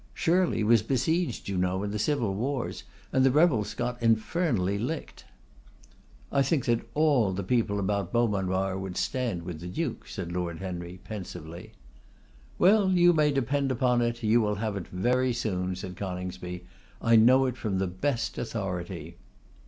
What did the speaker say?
Shirley was besieged, you know, in the civil wars; and the rebels got infernally licked.' 'I think that all the people about Beaumanoir would stand by the Duke,' said Lord Henry, pensively. 'Well, you may depend upon it you will have it very soon,' said Coningsby. 'I know it from the best authority.